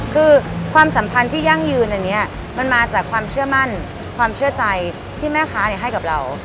คือความสัมพันธ์ที่ยั่งยืนอันนี้มันมาจากความเชื่อมั่นความเชื่อใจที่แม่ค้าให้กับเรา